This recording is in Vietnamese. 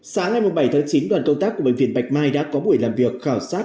sáng ngày bảy chín đoàn công tác của bệnh viện bạch mai đã có buổi làm việc khảo sát